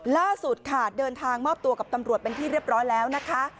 ล่าสุดค่ะเดินทางมอบตัวกับตำรวจเป็นที่เรียบร้อยแล้วนะคะ